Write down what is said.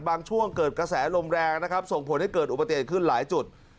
ช่วงเกิดกระแสลมแรงนะครับส่งผลให้เกิดอุบัติเหตุขึ้นหลายจุด